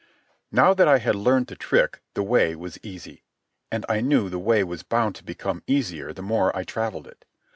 Now that I had learned the trick the way was easy. And I knew the way was bound to become easier the more I travelled it.